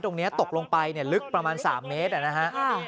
ตรงนี้ตกลงไปเนี่ยลึกประมาณ๓เมตรนะฮะ